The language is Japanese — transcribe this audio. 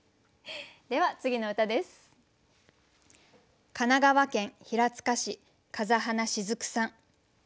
では次の歌です。